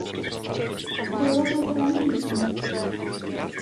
Bylo to zraňující.